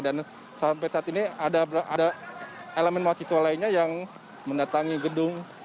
dan sampai saat ini ada elemen mahasiswa lainnya yang mendatangi gedung